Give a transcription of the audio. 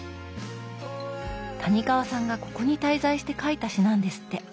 谷川さんがここに滞在して書いた詩なんですって。